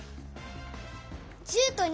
１０と２？